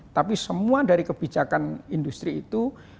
tapi semua dari kebijakan industri itu